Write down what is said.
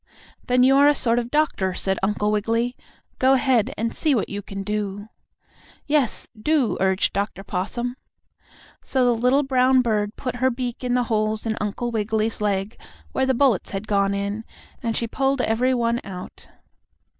"Then you are a sort of a doctor," said Uncle Wiggily. "Go ahead, and see what you can do." "Yes, do," urged Dr. Possum. So the little brown bird put her beak in the holes in Uncle Wiggily's leg, where the bullets had gone in, and she pulled every one out.